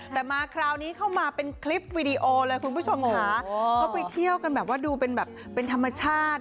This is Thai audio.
แต่มาคราวนี้เข้ามาเป็นคลิปวีดีโอเลยคุณผู้ชมค่ะเขาไปเที่ยวกันแบบว่าดูเป็นแบบเป็นธรรมชาติ